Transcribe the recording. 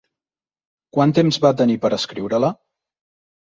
Quant temps va tenir per escriure-la?